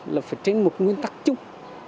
là phải trên một nguyên tắc chung